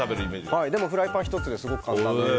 フライパン１つですごく簡単に。